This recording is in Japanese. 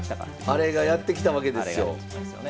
アレがやって来たわけですよ。